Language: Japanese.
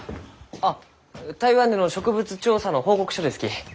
あっ台湾での植物調査の報告書ですき。